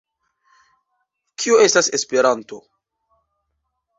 Kio estas Esperanto?